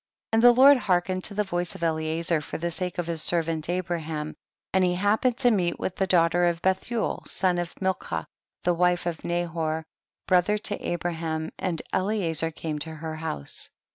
37. And the Lord hearkened to the voice of Eliezer, for the sake of his servant Abraham, and he hap pened to meet with the daughter of Bethuel, the son of Milcah, the wife of Nahor, brother to Abraham, and Eliezer came to her house.